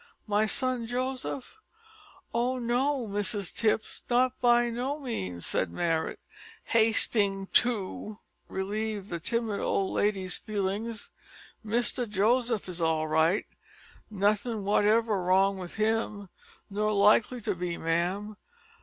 my son Joseph " "Oh no, Mrs Tipps, not by no means," said Marrot, hasting to relieve the timid old lady's feelings, "Mr Joseph is all right nothing wotiver wrong with him nor likely to be, ma'am.